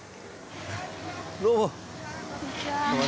どうも。